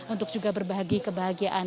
untuk juga berbahagia